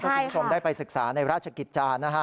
ถ้าคุณผู้ชมได้ไปศึกษาในราชกิจจารย์